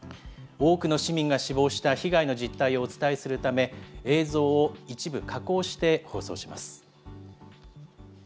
多くの市民が死亡した被害の実態をお伝えするため、映像を一部加工して放送します。